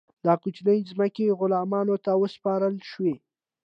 دا کوچنۍ ځمکې غلامانو ته وسپارل شوې.